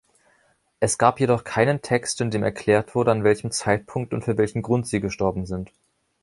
Es gab jedoch keinen Text, in dem erklärt wurde, an welchem Zeitpunkt und für welchen Grund sie gestorben sind.